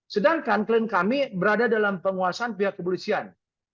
sedangkan klien kami berada dalam penguasaan pihak kepolisian